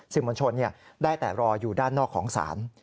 สิ่งบัญชนได้แต่รออยู่ด้านนอกของศาล